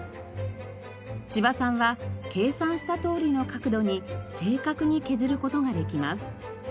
千葉さんは計算したとおりの角度に正確に削る事ができます。